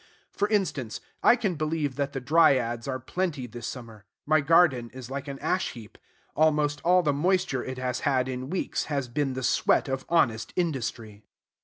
For instance, I can believe that the dryads are plenty this summer: my garden is like an ash heap. Almost all the moisture it has had in weeks has been the sweat of honest industry.